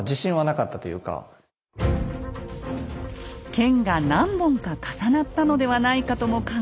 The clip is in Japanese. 剣が何本か重なったのではないかとも考えた村さん。